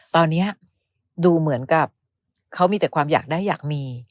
ตอนนี้ดูเหมือนกับเขามีแต่ความอยากได้อยากมี